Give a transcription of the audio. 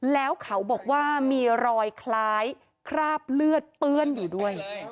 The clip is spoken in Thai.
แล้วเขาบอกว่ามีรอยคล้ายคราบเลือดเปื้อนอยู่ด้วย